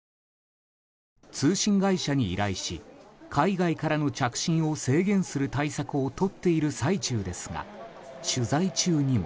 通信会社に依頼し海外からの着信を制限する対策をとっている最中ですが取材中にも。